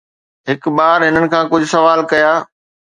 هڪ ٻار هنن کان ڪجهه سوال ڪيا